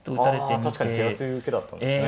ああ確かに手厚い受けだったんですね。